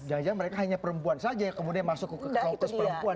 jangan jangan mereka hanya perempuan saja yang kemudian masuk ke kaukus perempuan